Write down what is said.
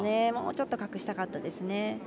もうちょっと隠したかったですね。